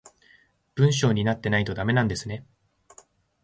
文章になってないとダメなんですね